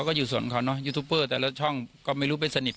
ลุงพลบอกว่ามันก็เป็นการทำความเข้าใจกันมากกว่าเดี๋ยวลองฟังดูค่ะ